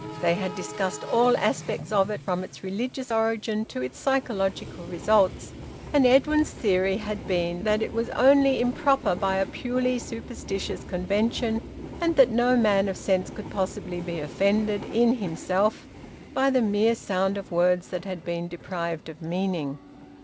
They had discussed all aspects of it, from its religious origin to its psychological results, and Edwin's theory had been that it was only improper by a purely superstitious convention, and that no man of sense could possibly be offended, in himself, by the mere sound of words that had been deprived of meaning.